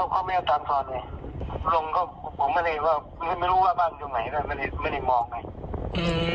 เขาไม่ได้ตามสอนเลยลุงก็ผมไม่รู้ว่าบ้านอยู่ไหนไม่ได้มองไป